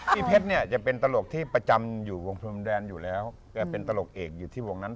พี่เพชรเนี่ยจะเป็นตลกที่ประจำอยู่วงพรมแดนอยู่แล้วแกเป็นตลกเอกอยู่ที่วงนั้น